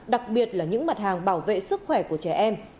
đặc biệt là những mặt hàng bảo vệ sức khỏe của trẻ em